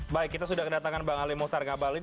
baik kita sudah kedatangan bang ali maung tarangga balin